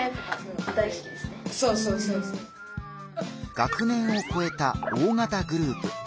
学年をこえた大型グループ。